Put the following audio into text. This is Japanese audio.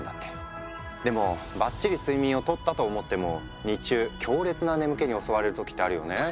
でもばっちり睡眠をとったと思っても日中強烈な眠気に襲われる時ってあるよね。